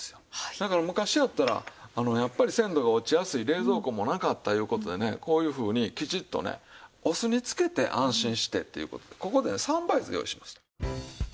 だから昔やったらやっぱり鮮度が落ちやすい冷蔵庫もなかったいう事でねこういうふうにきちっとねお酢につけて安心してっていう事でここでね三杯酢用意します。